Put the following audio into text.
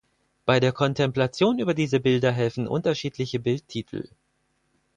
Bei der Kontemplation über diese Bilder helfen unterscheidende Bildtitel.